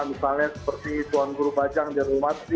misalnya seperti tuan guru bajang jernumat